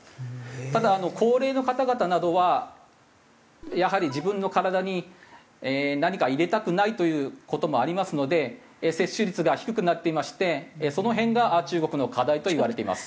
ただ高齢の方々などはやはり自分の体に何か入れたくないという事もありますので接種率が低くなっていましてその辺が中国の課題といわれています。